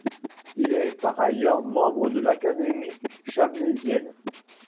Il est par ailleurs membre de l'Académie chablaisienne.